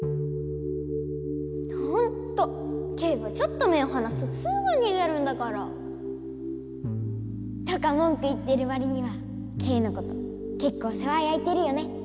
ほんとケイはちょっと目をはなすとすぐにげるんだから！とか文句言ってるわりにはケイのことけっこう世話やいてるよね。